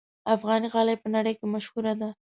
افغاني غالۍ په نړۍ کې مشهوره ده.